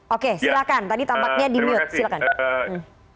oke silakan tadi tampaknya di mute silakan